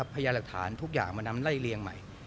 พยายามหลักฐานทุกอย่างมานำไล่เลี้ยงใหม่